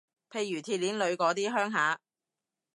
譬如鐵鍊女嗰啲鄉下